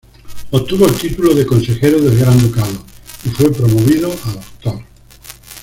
Obtuvo el Título de "consejero del Gran Ducado", y fue promovido a "Dr.